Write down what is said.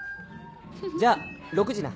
じゃ６時な。